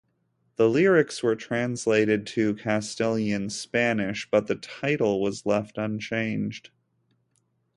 The lyrics were translated to Castilian Spanish, but the title was left unchanged.